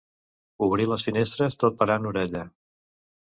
Obrin les finestres tot parant orella.